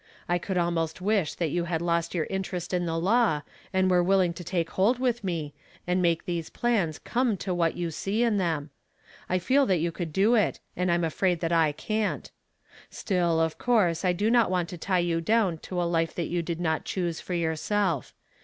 I could almost wish that you had lost your interest in the law, and were willing to take hold with me, and make these ])lans come to what you see in them ; 1 feel that you could do it, and I'm afraid that I can't. Still, of course I do not want to tie you down to a life that you did not choose for youi self.